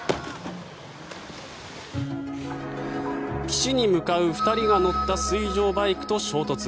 岸に向かう２人が乗った水上バイクと衝突。